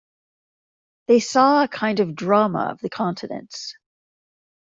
They saw a kind of drama of the continents.